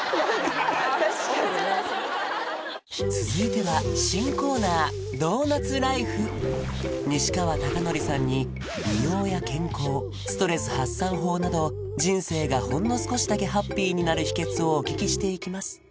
確かにね続いては新コーナー西川貴教さんに美容や健康ストレス発散法など人生がほんの少しだけハッピーになる秘訣をお聞きしていきます